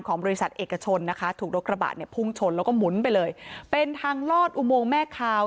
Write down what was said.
ของบริษัทเอกชนนะคะถูกลบฆาบาดเนี่ยพุ่งโฉลแล้วก็หมุนไปเลยเป็นทางรอดอุมวงแม่คาว